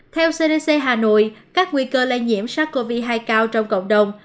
theo cdc hà nội các nguy cơ lây nhiễm sars cov hai cao trong cộng đồng